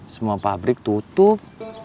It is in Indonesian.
semua fabrik tutup